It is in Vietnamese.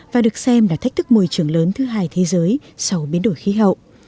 và được xem là thách thức môi trường lớn thứ hai thế giới sau biến đổi khí hậu